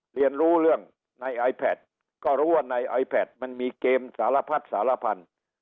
เรียนรู้เรื่องในไอแพทก็รู้ว่าในไอแพทมันมีเกมสารพัดสารพันธุ์